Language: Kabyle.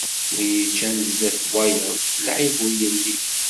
Win yeččan zdat wayeḍ, lɛib ur yelli.